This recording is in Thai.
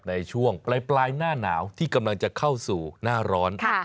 ในช่วงปลายหน้าหนาวที่กำลังจะเข้าสู่หน้าร้อน